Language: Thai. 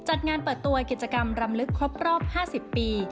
จัดงานเปิดตัวกิจกรรมรำลึกครบรอบ๕๐ปี